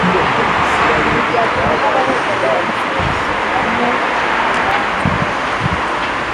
ibi byatuma habaho kongera gusaba gusubiramo urubanza